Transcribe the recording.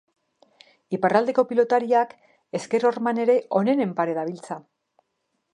Iparraldeko pilotariak ezker horman ere onenen pare dabiltza.